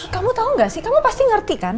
kamu tau gak sih kamu pasti ngerti kan